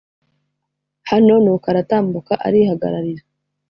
hano nuko aratambuka arihagararira